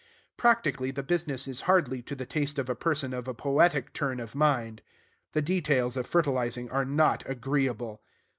Practically, the business is hardly to the taste of a person of a poetic turn of mind. The details of fertilizing are not agreeable.